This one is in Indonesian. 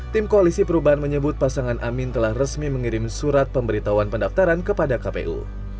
tim koalisi perubahan menyebut pasangan amin telah resmi mengirim surat pemberitahuan pendaftaran kepada kpu